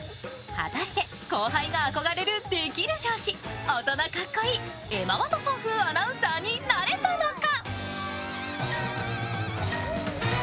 果たして後輩が憧れるデキる上司、エマ・ワトソン風アナウンサーになれたのか。